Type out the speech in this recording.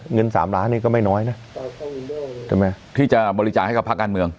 เงิน๓ล้านนี่ก็ไม่น้อยนะใช่ไหมที่จะบริจาคให้กับภาคการเมือง